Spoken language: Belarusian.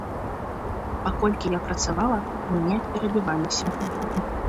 Паколькі я працавала, мы неяк перабіваліся.